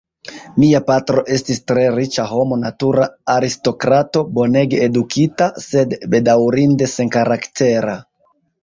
Mia patro estis tre riĉa homo, natura aristokrato, bonege edukita, sed bedaŭrinde senkaraktera.